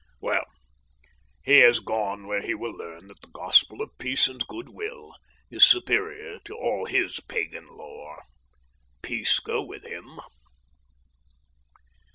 Well, he has gone where he will learn that the gospel of peace and good will is superior to all his Pagan lore. Peace go with him.